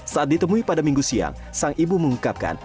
saat ditemui pada minggu siang sang ibu mengungkapkan